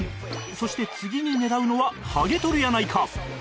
そして次に狙うのは「ハゲとるやないか！！」